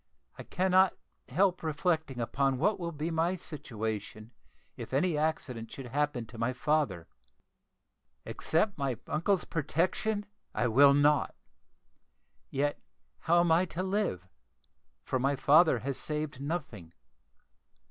I cannot help reflecting upon what will be my situation if any accident should happen to my father. Accept my uncle's protection I will not; yet how am I to live, for my father has saved nothing?